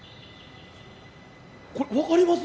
これ分かります？